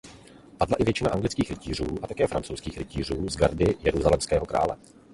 Padla i většina anglických rytířů a také francouzských rytířů z gardy jeruzalémského krále.